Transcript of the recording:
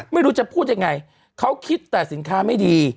ไม่รู้จะพูดยังไงเขาคิดแต่สินค้าไม่ดี